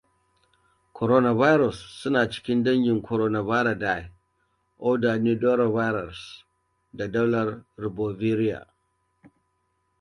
Coronaviruses suna cikin dangin Coronaviridae, oda Nidovirales, da daular Riboviria.